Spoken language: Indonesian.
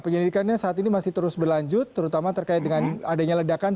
penyelidikannya saat ini masih terus berlanjut terutama terkait dengan adanya ledakan